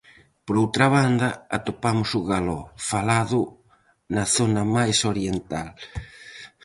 Por outra banda, atopamos o galó, falado na zona mais oriental.